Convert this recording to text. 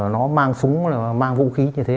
nó mang súng mang vũ khí như thế